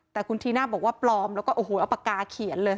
แต่คุณธีน่าบอกว่าปลอมแล้วก็โอ้โหเอาปากกาเขียนเลย